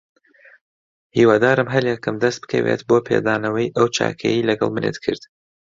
هیوادارم هەلێکم دەست بکەوێت بۆ پێدانەوەی ئەو چاکەیەی لەگەڵ منت کرد.